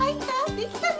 できたね